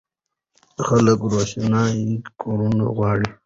خلک روښانه کورونه غواړي.